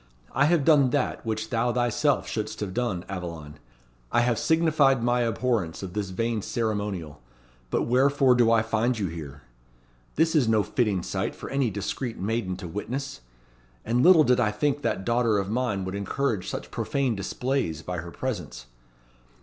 "I have done that which thou thyself should'st have done, Aveline. I have signified my abhorrence of this vain ceremonial. But wherefore do I find you here? This is no fitting sight for any discreet maiden to witness; and little did I think that daughter of mine would encourage such profane displays by her presence.